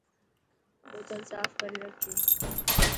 بوتل ساف ڪري رکي.